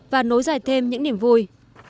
và nối dài thêm những niềm vui